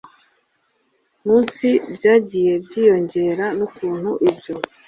Munsi Byagiye Byiyongera N Ukuntu Ibyo